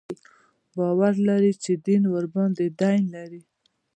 باور لري چې دین ورباندې دین لري.